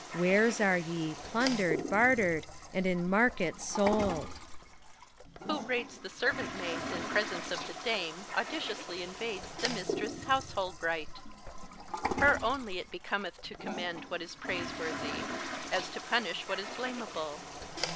Wares are ye, plundered, bartered, and in market sold ! HELENA. Who rates the servant maids in presence of the Dame Audaciously invades the Mistress' household right: Her only it becometh to commend what is Praiseworthy, as to punish what is blamable.